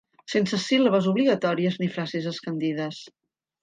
Sense síl·labes obligatòries ni frases escandides.